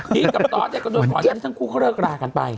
พีชกับตอสเนี่ยก็โดยผ่อนชั้นทั้งคู่ก็เลิกรากันไป